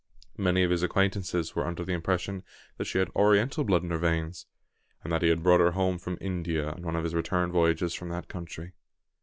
Many of his acquaintances were under the impression that she had Oriental blood in her veins, and that he had brought her home from India on one of his return voyages from that country.